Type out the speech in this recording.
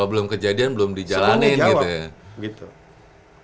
belum kejadian belum dijalanin gitu ya